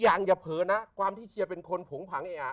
อย่างอย่าเผินนะความที่เชียร์เป็นคนผงผังแอ่อ่ะ